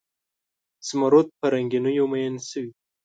زمرود په رنګینیو میین شوي